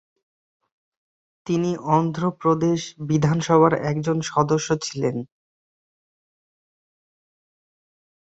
তিনি অন্ধ্র প্রদেশ বিধানসভার একজন সদস্য ছিলেন।